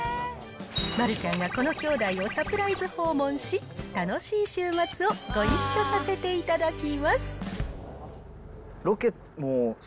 丸ちゃんがこのきょうだいをサプライズ訪問し、楽しい週末をご一緒させていただきます。